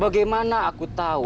bagaimana aku tahu